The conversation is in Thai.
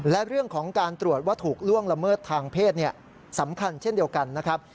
และเรื่องของการตรวจว่าถูกล่วงละเมิดทางเพศสำคัญเช่นเดียวกันนะครับ